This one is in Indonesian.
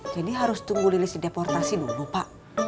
jadi harus tunggu lelis dideportasi dulu pak